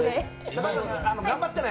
頑張ってね。